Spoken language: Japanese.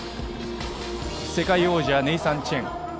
世界王者、ネイサン・チェン。